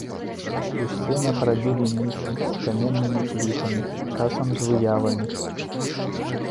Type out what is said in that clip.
У сценах рабілі нішы з каменнымі плітамі, часам з выявамі.